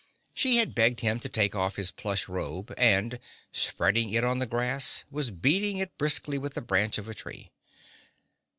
She had begged him to take off his plush robe and, spreading it on the grass, was beating it briskly with the branch of a tree.